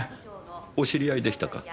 お知り合いでしたか。